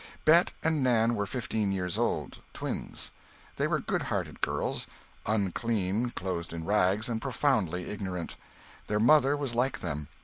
Bet and Nan were fifteen years old twins. They were good hearted girls, unclean, clothed in rags, and profoundly ignorant. Their mother was like them.